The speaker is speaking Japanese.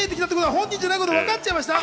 本人じゃないことは分かっちゃいましたか？